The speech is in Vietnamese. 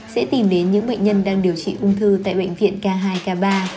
sẽ tìm đến những bệnh nhân đang điều trị ung thư tại bệnh viện k hai k ba